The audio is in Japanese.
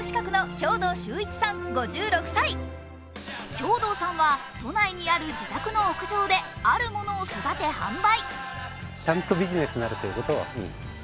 兵藤さんは都内にある自宅の屋上であるものを育て、販売。